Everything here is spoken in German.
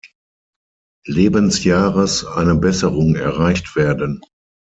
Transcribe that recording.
Lebensjahres eine Besserung erreicht werden.